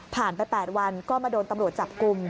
ไป๘วันก็มาโดนตำรวจจับกลุ่ม